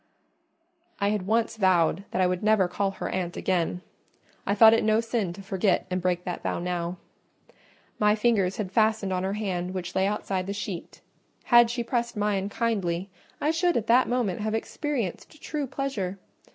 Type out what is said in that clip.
I had once vowed that I would never call her aunt again: I thought it no sin to forget and break that vow now. My fingers had fastened on her hand which lay outside the sheet: had she pressed mine kindly, I should at that moment have experienced true pleasure.